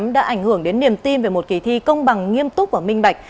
đã ảnh hưởng đến niềm tin về một kỳ thi công bằng nghiêm túc và minh bạch